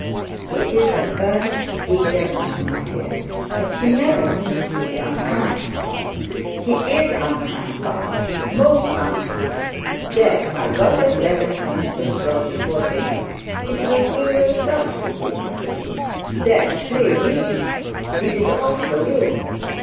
'He is an earnest, eager man, my dear: but he never means to be unkind.' 'He is unkind, papa, most unkind. There, I got that letter from Mr Slope before dinner. It was you yourself who gave it to me. There; pray read it. It is all for you.